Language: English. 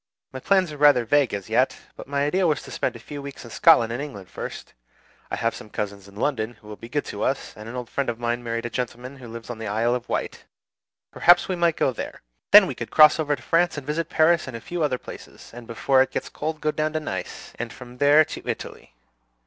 My plans are rather vague as yet; but my idea was to spend a few weeks in Scotland and England first, I have some cousins in London who will be good to us; and an old friend of mine married a gentleman who lives on the Isle of Wight; perhaps we might go there. Then we could cross over to France and visit Paris and a few other places; and before it gets cold go down to Nice, and from there to Italy.